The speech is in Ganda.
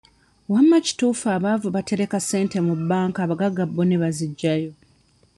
Wamma kituufu abaavu batereka ssente mu banka abagagga bo ne baziggyayo?